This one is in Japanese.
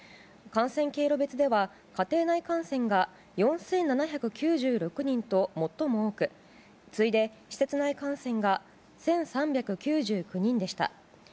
感染経路別では家庭内感染が４７９６人と最も多く次いで施設内感染が１３９９人でした。